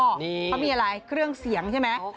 เขามีอะไรเครื่องเสียงใช่ไหม